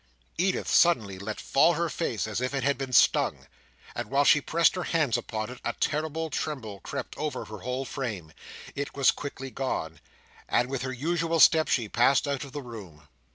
Edith suddenly let fall her face, as if it had been stung, and while she pressed her hands upon it, a terrible tremble crept over her whole frame. It was quickly gone; and with her usual step, she passed out of the room.